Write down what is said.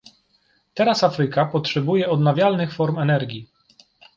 Teraz Afryka potrzebuje odnawialnych form energii